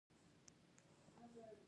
کرنه د پیغمبرانو کسب دی.